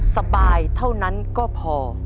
สบายเท่านั้นก็พอ